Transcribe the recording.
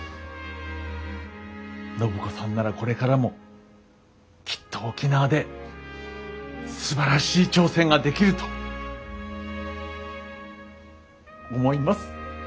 暢子さんならこれからもきっと沖縄ですばらしい挑戦ができると思います。